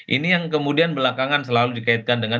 ini yang kemudian belakangan selalu dikaitkan dengan